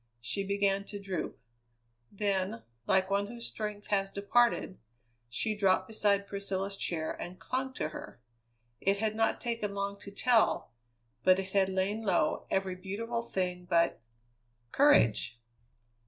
She began to droop; then, like one whose strength has departed, she dropped beside Priscilla's chair and clung to her. It had not taken long to tell, but it had lain low every beautiful thing but courage!